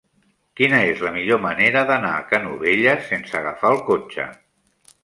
Quina és la millor manera d'anar a Canovelles sense agafar el cotxe?